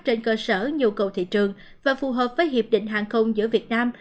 trên cơ sở nhu cầu thị trường và phù hợp với hiệp định hàng không giữa việt nam